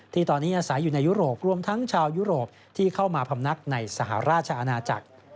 ที่ตอนนี้อาศัยอยู่ในยุโรปรวมทั้งชาวยุโรปที่เข้ามาพำนักในสหราชอาณาจักร